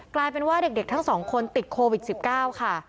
กลายเป็นว่าเด็กทั้งสองคนติดโควิด๑๙ค่ะ